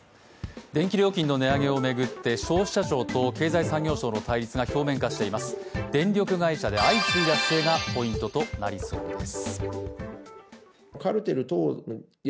電気料金の値上げを巡って消費者庁と経済産業省の対立が表面化しています、電力会社で相次いだ不正がポイントとなりそうです。